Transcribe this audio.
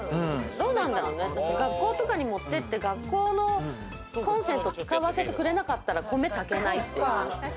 学校とかに持ってって、学校のコンセント使わせてくれなかったら、米炊けないという。